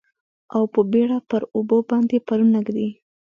او په بیړه پر اوبو باندې پلونه ږدي